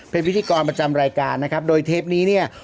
เป็นพิธีกรประจำรายการนะครับโดยเทปนี้เนี่ย